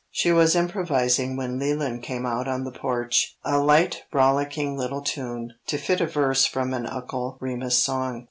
She was improvising when Leland came out on the porch, a light rollicking little tune, to fit a verse from an Uncle Remus song.